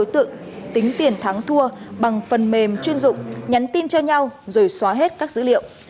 tự tính tiền thắng thua bằng phần mềm chuyên dụng nhắn tin cho nhau rồi xóa hết các dữ liệu